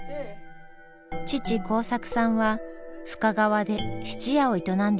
父孝作さんは深川で質屋を営んでいました。